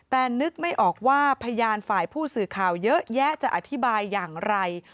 แต่นึกไม่ออกว่าพยานฝ่ายผู้สื่อข่าวเยอะแยะจะอธิบายอย่างไร